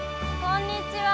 こんにちは。